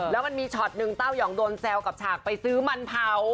แล้วมันมีช็อตหนึ่งเต้ายองโดนแซวกับฉากไปซื้อมันเผา